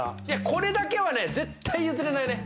これだけはね絶対譲れないね！